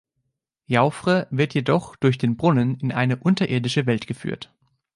Jaufre wird jedoch durch den Brunnen in eine unterirdische Welt geführt.